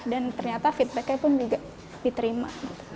dan ternyata feedback nya pun juga diterima